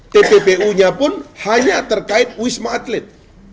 tppu nya pun hanya terkait wisma atlet